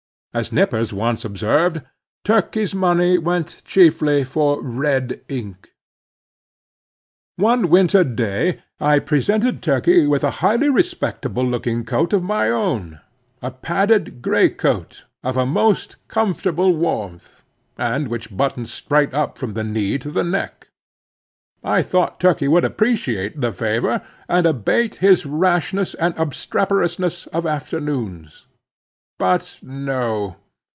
As Nippers once observed, Turkey's money went chiefly for red ink. One winter day I presented Turkey with a highly respectable looking coat of my own, a padded gray coat, of a most comfortable warmth, and which buttoned straight up from the knee to the neck. I thought Turkey would appreciate the favor, and abate his rashness and obstreperousness of afternoons. But no.